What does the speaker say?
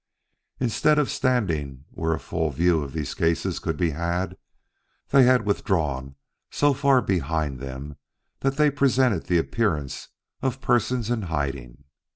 Instead of standing where a full view of these cases could be had, they had withdrawn so far behind them that they presented the appearance of persons in hiding.